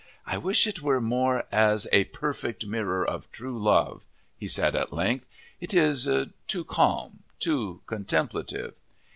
"I wish it were more as a perfect mirror of true love," he said at length. "It is too calm, too contemplative."